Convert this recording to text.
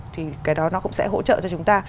thì cái đó nó cũng sẽ hỗ trợ cho chúng ta